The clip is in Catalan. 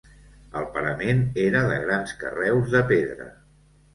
El parament era de grans carreus de pedra.